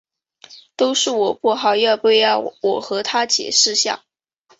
都是我不好，要不要我和她解释下？